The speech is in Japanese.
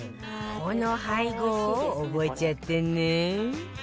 この配合を覚えちゃってね